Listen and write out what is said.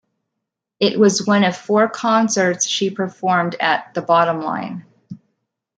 It was one of four concerts she performed at The Bottom Line.